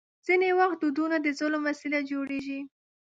ځینې وخت دودونه د ظلم وسیله جوړېږي.